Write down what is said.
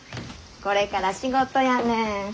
これから仕事やねん。